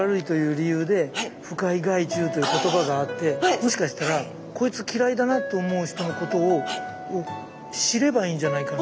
もしかしたらこいつ嫌いだなって思う人のことを知ればいいんじゃないかな。